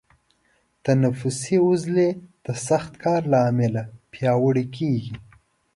تنفسي عضلې د سخت کار له امله پیاوړي کېږي.